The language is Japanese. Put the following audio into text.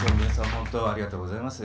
ほんとありがとうございます。